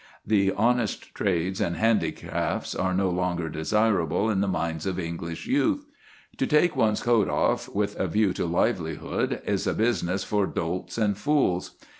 The honest trades and handicrafts are no longer desirable in the minds of English youth. To take one's coat off with a view to livelihood is a business for dolts and fools.